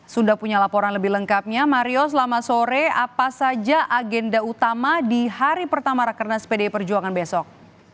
sudah punya laporan lebih lengkapnya mario selamat sore apa saja agenda utama di hari pertama rakernas pdi perjuangan besok